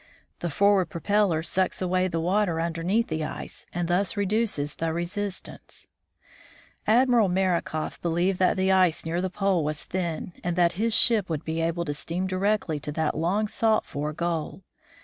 The forward propeller sucks away the water underneath the ice, and thus reduces the resistance. Admiral Marakoff believed that the ice near the pole was thin, and that his ship would be able to steam directly to that long sought for goal.